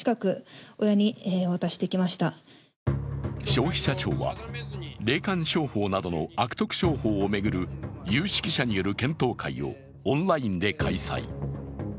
消費者庁は霊感商法などの悪徳商法を巡る有識者による検討会をオンラインで開催。